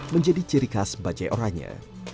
menjadi ciri khas bajai oranya